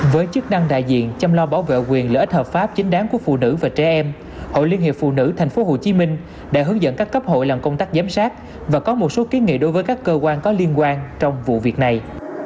với chức năng đại diện chăm lo bảo vệ quyền lợi ích hợp pháp chính đáng của phụ nữ và trẻ em hội liên hiệp phụ nữ tp hcm đã hướng dẫn các cấp hội làm công tác giám sát và có một số kiến nghị đối với các cơ quan có liên quan trong vụ việc này